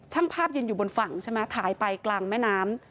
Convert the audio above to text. ทั้งภาพแห่งอยู่บนฝั่งใช่ไหม